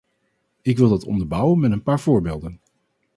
Ik wil dat onderbouwen met een paar voorbeelden.